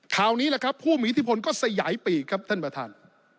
คราวนี้แหละครับผู้มีอิทธิพลก็สยายปีกครับท่านประธาน